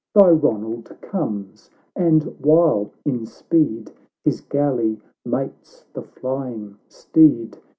Thy Ronald comes, and while in speed His galley mates the flying steed.